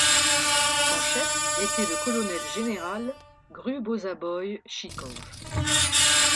Son chef était le colonel général Grubozaboyschikov.